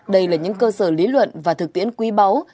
đây là những cơ sở lý luận và thực tiễn quý báu